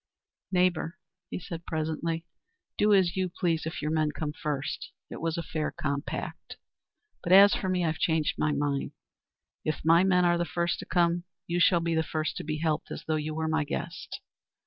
"Neighbour," he said presently, "do as you please if your men come first. It was a fair compact. But as for me, I've changed my mind. If my men are the first to come you shall be the first to be helped, as though you were my guest.